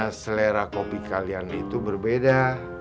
karena selera kopi kalian itu berbeda